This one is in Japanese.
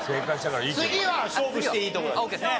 次は勝負していいとこだけどね。